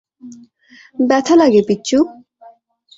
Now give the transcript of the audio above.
ব্যথা লাগে, পিচ্চু।